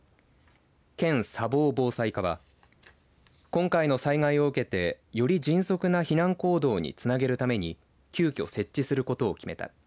県砂防防災課は今回の災害を受けてより迅速な避難行動につなげるために急きょ設置することを決めた。